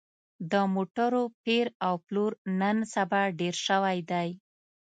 د موټرو پېر او پلور نن سبا ډېر شوی دی